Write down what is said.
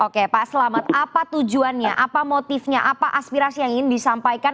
oke pak selamat apa tujuannya apa motifnya apa aspirasi yang ingin disampaikan